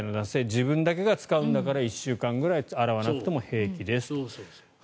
自分だけが使うんだから１週間ぐらい洗わなくても平気です。